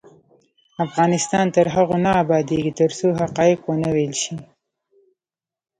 افغانستان تر هغو نه ابادیږي، ترڅو حقایق ونه ویل شي.